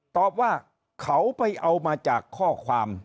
ตอบว่าเขาไปเอามาจากข้อความ